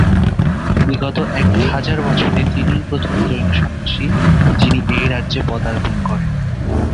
বিগত এক হাজার বছরে তিনিই প্রথম জৈন সন্ন্যাসী যিনি এই রাজ্যে পদার্পণ করেন।